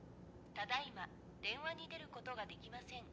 ☎ただいま電話に出ることができません